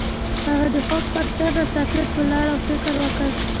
هغه د خوب پر څنډه ساکت ولاړ او فکر وکړ.